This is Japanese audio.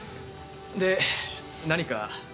で何か？